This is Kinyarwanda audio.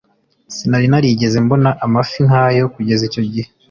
Sinari narigeze mbona amafi nkayo kugeza icyo gihe